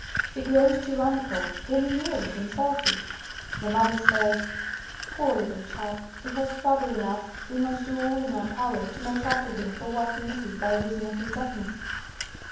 He grows tyrannical, domineering, and selfish. The mother says: "Poor little chap; he has trouble enough, we must do all in our power to make up to him for what he misses by reason of his deafness."